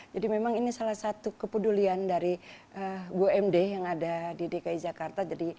jadi memang ini salah satu kepedulian dari bumd yang ada di dki jakarta